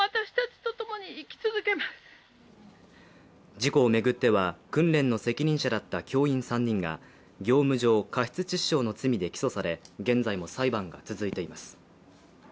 事故を巡っては訓練の責任者だった教員３人が、業務上過失致死傷の罪で起訴され現在も裁判が続いています。